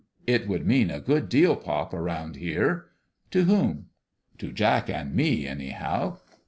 "It would mean a good deal, pop, around here." "To whom?' 1 "To Jack and me, anyhow.